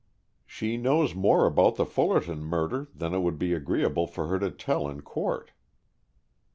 "She knows more about the Fullerton murder than it would be agreeable for her to tell in court."